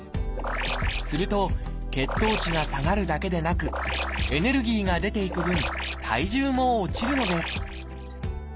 すると血糖値が下がるだけでなくエネルギーが出ていく分体重も落ちるのです。